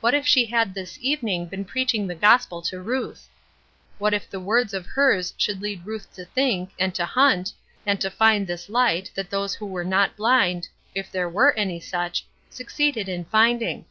What if she had this evening been preaching the gospel to Ruth! What if the words of hers should lead Ruth to think, and to hunt, and to find this light that those who were not blind if there were any such succeeded in finding!